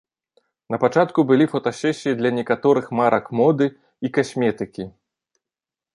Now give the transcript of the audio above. Напачатку былі фотасесіі для некаторых марак моды і касметыкі.